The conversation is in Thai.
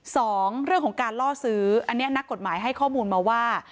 สองเรื่องของการล่อซื้ออันนี้นักกฎหมายให้ข้อมูลมาว่า